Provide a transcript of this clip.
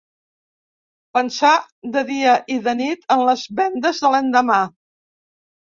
Pensar de dia i de nit en les vendes de l'endemà